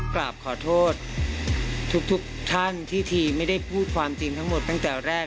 กราบขอโทษทุกท่านที่ทีไม่ได้พูดความจริงทั้งหมดตั้งแต่แรก